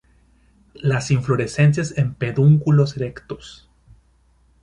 Las inflorescencias en pedúnculos erectos.